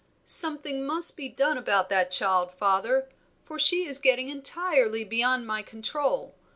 "Something must be done about that child, father, for she is getting entirely beyond my control.